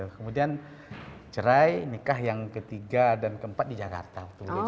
kemudian cerai nikah yang ketiga dan keempat di jakarta